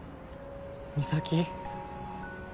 美咲！